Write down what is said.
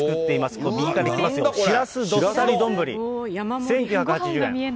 これ右からいきますよ、しらすどっさり丼ぶり１９８０円。